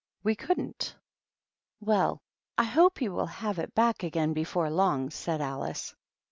We couldn't." " Well, I hope he will have it back again be fore long," said Alice.